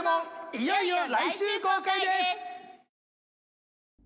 いよいよ来週公開です！